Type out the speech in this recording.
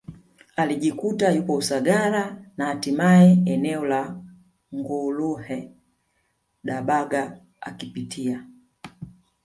alijikuta yupo Usagara na hatimaye eneo la Nguluhe Dabaga akipitia